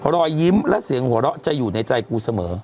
รอยยิ้มและเสียงหัวเราะจะอยู่ในใจกูเสมอ